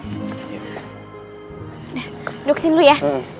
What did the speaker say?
duduk sini dulu ya